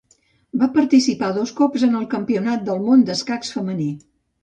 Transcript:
Va participar dos cops en el campionat del món d'escacs femení.